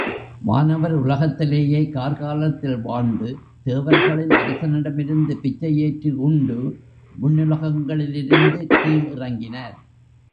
வானவர் உலகத்திலேயே கார்காலத்தில் வாழ்ந்து தேவர்களின் அரசனிடமிருந்து பிச்சையேற்று உண்டு விண்ணுலகங்களிலிருந்து கீழ் இறங்கினார்.